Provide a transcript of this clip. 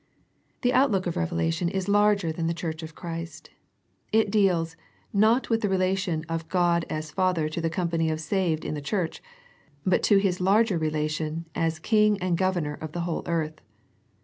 The outlook of Revelation is larger than the Church of Christ. It deals, not with the rela tion of God as Father to the company of saved in the Church, but to His larger relation as King and Governor of the whole earth.